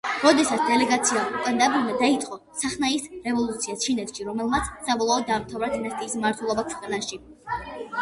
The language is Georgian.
როდესაც დელეგაცია უკან დაბრუნდა, დაიწყო სინხაის რევოლუცია ჩინეთში, რომელმაც საბოლოოდ დაამთავრა დინასტიის მმართველობა ქვეყანაში.